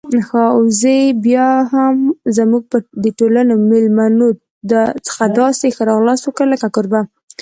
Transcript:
وزې بيا هم زموږ د ټولو میلمنو څخه داسې ښه راغلاست وکړ لکه کوربه.